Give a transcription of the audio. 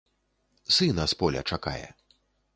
Сына з поля чакае.